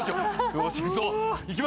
よーしっいくぞ！